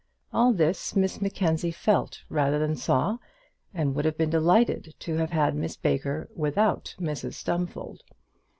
All this Miss Mackenzie felt rather than saw, and would have been delighted to have had Miss Baker without Mrs Stumfold.